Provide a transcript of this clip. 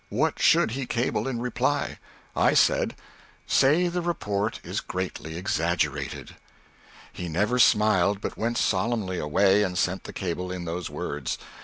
What should he cable in reply? I said "Say the report is greatly exaggerated." He never smiled, but went solemnly away and sent the cable in those words.